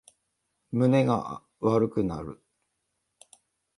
胸が悪くなる